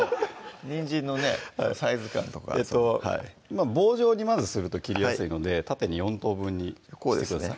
にんじんのねサイズ感とか棒状にまずすると切りやすいので縦に４等分にしてください